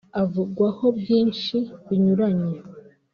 akavugwaho byinshi binyuranye